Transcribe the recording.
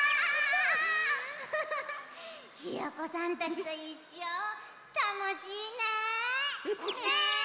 ウフフフひよこさんたちといっしょたのしいね！ね！